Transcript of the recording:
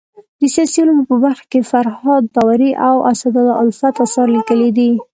د سیاسي علومو په برخه کي فرهاد داوري او اسدالله الفت اثار ليکلي دي.